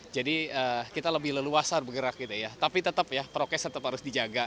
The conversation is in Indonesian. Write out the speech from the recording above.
jadi kita lebih leluasa bergerak tapi tetap ya prokes tetap harus dijaga